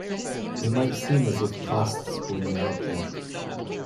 It might seem as if costs were my object.